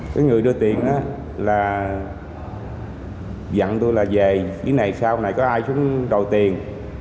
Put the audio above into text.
cái người đưa tiền là dặn tôi là về phía này sau này có ai xuống đòi tiền